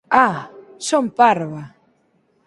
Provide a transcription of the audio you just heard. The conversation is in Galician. Ah! Son parva!